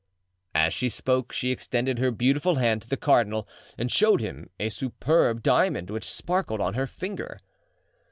As she spoke she extended her beautiful hand to the cardinal and showed him a superb diamond which sparkled on her finger.